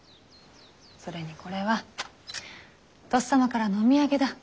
それにこれはとっさまからのお土産だ。